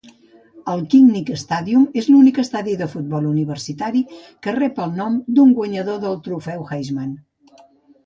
El Kinnick Stadium és l'únic estadi de futbol universitari que rep el nom d'un guanyador del Trofeu Heisman.